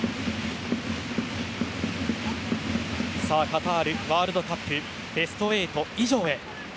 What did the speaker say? カタールワールドカップベスト８以上へ。